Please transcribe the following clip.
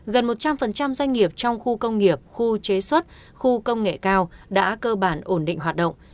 gần một trăm linh doanh nghiệp trong khu công nghiệp khu chế xuất khu công nghệ cao đã cơ bản ổn định hoạt động